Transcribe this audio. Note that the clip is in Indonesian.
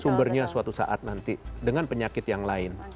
sumbernya suatu saat nanti dengan penyakit yang lain